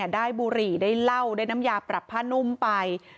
บุหรี่ได้เหล้าได้น้ำยาปรับผ้านุ่มไป